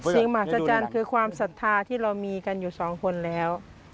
มหาศจรรย์คือความศรัทธาที่เรามีกันอยู่สองคนแล้ว